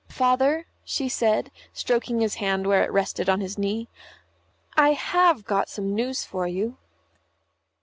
"Father," she said, stroking his hand where it rested on his knee, "I have got some news for you."